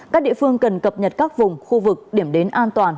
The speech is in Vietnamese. các địa phương cần cập nhật các vùng khu vực điểm đến an toàn